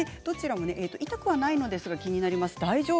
どちらも痛くはないのですが気になります